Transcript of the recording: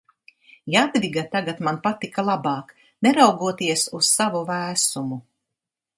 Jadviga tagad man patika labāk, neraugoties uz savu vēsumu.